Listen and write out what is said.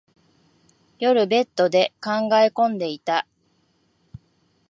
夜、ベッドで考え込んでいた。